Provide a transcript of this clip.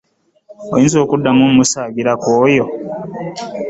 Oyinza okuddamu okumusaagirako oyo?